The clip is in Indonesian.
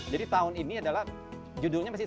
jadi tahun ini adalah judulnya masih